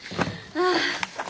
ああ。